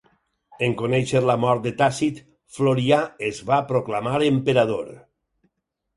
En conèixer la mort de Tàcit, Florià es va proclamar emperador.